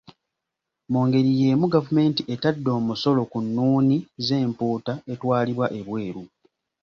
Mu ngeri y’emu gavumenti etadde omusolo ku nnuuni z’empuuta etwalibwa ebweru.